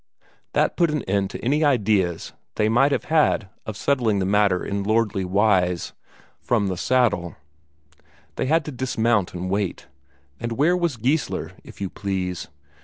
That put an end to any ideas they might have had of settling the manner in lordly wise, from the saddle; they had to dismount and wait. And where was Geissler, if you please?